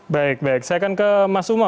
baik baik saya akan ke mas umar